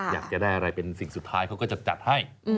อยากจะได้อะไรเป็นสิ่งสุดท้ายเขาก็จะจัดให้